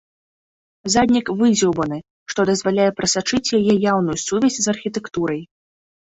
Заднік выдзеўбаны, што дазваляе прасачыць яе яўную сувязь з архітэктурай.